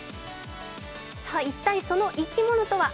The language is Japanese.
一体、その生き物とは？